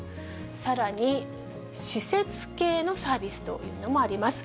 さらに施設系のサービスというのもあります。